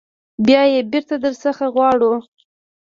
بیا یې بیرته در څخه غواړو.